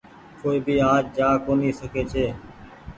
ڪوئي ڀي آج جآ ڪونيٚ سکي ڇي۔